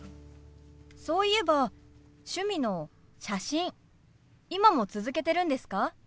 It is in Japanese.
そういえば趣味の写真今も続けてるんですか？